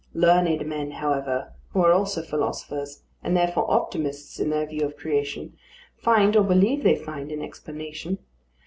Learned men, however, who are also philosophers, and therefore optimists in their view of creation, find, or believe they find, an explanation.